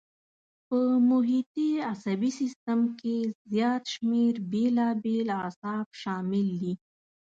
په محیطي عصبي سیستم کې زیات شمېر بېلابېل اعصاب شامل دي.